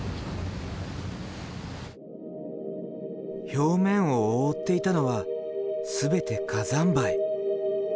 表面を覆っていたのは全て火山灰。